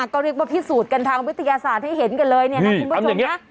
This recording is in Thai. ก็เรียกว่าพิสูจน์กันทางวิทยาศาสตร์ให้เห็นกันเลยเนี่ยนะคุณผู้ชมนะ